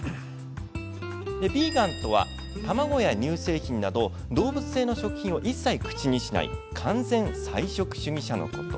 ヴィーガンとは卵や乳製品など動物性の食品を一切口にしない完全菜食主義者のこと。